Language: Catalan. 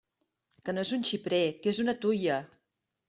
Que no és un xiprer, que és una tuia!